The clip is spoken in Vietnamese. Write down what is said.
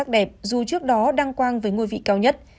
đẹp dù trước đó đăng quang với ngôi vị cao nhất